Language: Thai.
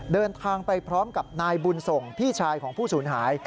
เดินทางไปพร้อมกับนายบุญส่งพี่ชายของผู้สูญหาย